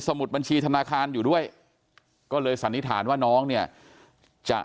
มุดบัญชีธนาคารอยู่ด้วยก็เลยสันนิษฐานว่าน้องเนี่ยจะ